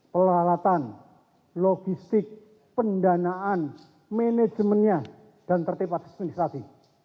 pelalatan logistik pendanaan manajemennya dan tertibat administrasi